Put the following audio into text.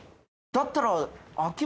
だったら。